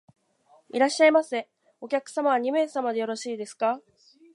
いらっしゃいませ。お客様は二名様でよろしいですか？